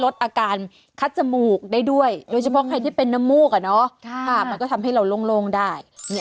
ต้องมีพื้นถ้ม่วกมันก็ทำให้เราโล่งได้